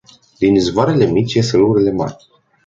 Din izvoarele mici ies râurile mari.